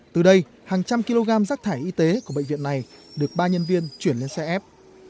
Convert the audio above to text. từ đây hàng trăm kg rác thải y tế của bệnh viện này được ba nhân viên chuyển lên xe ép